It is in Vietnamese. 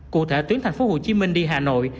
cụ thể tuyến thành phố hồ chí minh đi hà nội